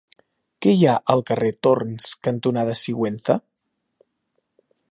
Què hi ha al carrer Torns cantonada Sigüenza?